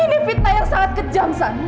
ini fitnah yang sangat kejam sana